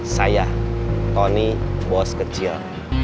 saya tony bos kecil